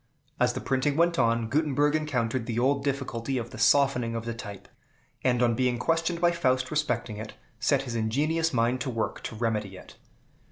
As the printing went on, Gutenberg encountered the old difficulty of the softening of the type, and, on being questioned by Faust respecting it, set his ingenious mind to work to remedy it.